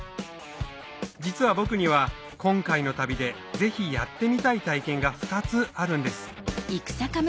実は僕には今回の旅でぜひやってみたい体験が２つあるんです